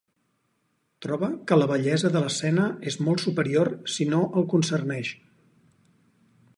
Troba que la bellesa de l'escena és molt superior si no el concerneix.